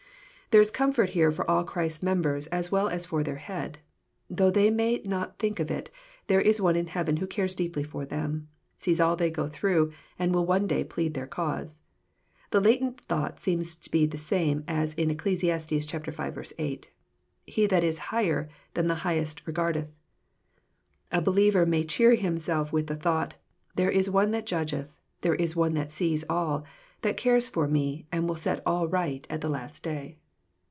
There is comfort here for all Christ's members as well as for their Head. Though they may not think of it, there is One in heaven who cares deeply for them, sees all they go through, and will one day plead their cause. The latent thought seems the same as in Eccles. v. 8—" He that is higher than the highest regardeth." A believer may cheer himself with the thought, " There is One that judgeth. There is One that sees all, that cares for me, and will set all right at the last day."